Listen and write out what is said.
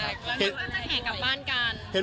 คือจะแอบกับบ้านกัน